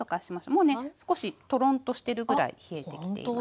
もうね少しトロンとしてるぐらい冷えてきていますよ。